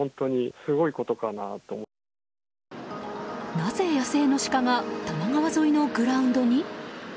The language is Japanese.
なぜ、野生のシカが多摩川沿いのグラウンドに？